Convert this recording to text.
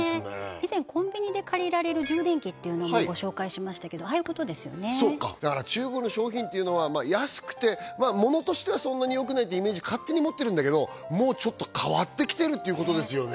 以前コンビニで借りられる充電器っていうのもご紹介しましたけどああいうことですよねだから中国の商品っていうのは安くて物としてはそんなによくないってイメージ勝手に持ってるんだけどもうちょっと変わってきてるっていうことですよね